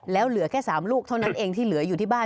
แล้วเหลือแค่๓ลูกเท่านั้นเองที่เหลืออยู่ที่บ้าน